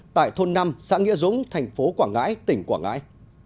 tại thôn năm xã nghĩa dũng tp quảng ngãi tỉnh quảng ngãi